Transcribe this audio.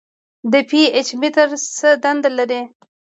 د پي ایچ متر څه دنده لري.